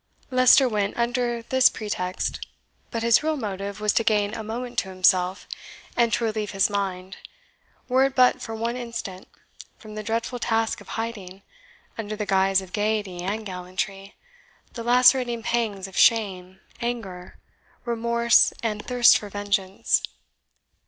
Leicester went under this pretext; but his real motive was to gain a moment to himself, and to relieve his mind, were it but for one instant, from the dreadful task of hiding, under the guise of gaiety and gallantry, the lacerating pangs of shame, anger, remorse, and thirst for vengeance.